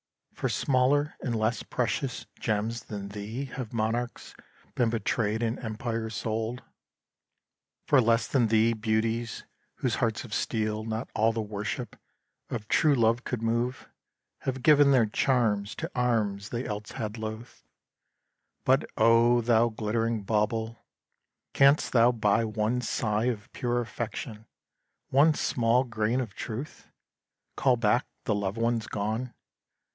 For smaller and less precious gems than thee Have monarchs been betrayed and empires sold. For less than thee, Beauties, whose hearts of steel Not all the worship of true love could move, Have given their charms to arms they else had loathed. But oh! thou glittering bauble! Canst thou buy One sigh of pure affection! one small grain Of Truth? Call back the loved ones gone?